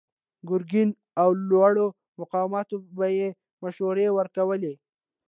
ګرګين او لوړو مقاماتو ته به يې مشورې ورکولې.